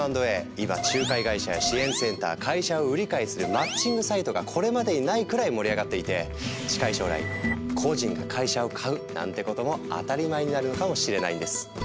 今仲介会社や支援センター会社を売り買いするマッチングサイトがこれまでにないくらい盛り上がっていて近い将来個人が会社を買うなんてことも当たり前になるのかもしれないんです。